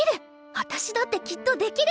わたしだってきっとできる！